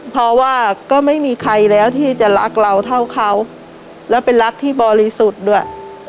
เพราะว่าก็ไม่มีใครแล้วที่จะรักเราเท่าเขาแล้วเป็นรักที่บริสุทธิ์ด้วย